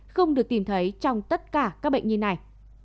không được tìm thấy trong tất cả các bệnh nhi này